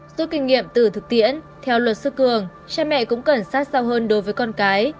rút kinh nghiệm từ thực tiễn theo luật sư cường cha mẹ cũng cần sát sao hơn đối với con cái